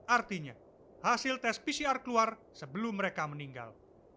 artinya hasil tes pcr keluar sebelum mereka meninggal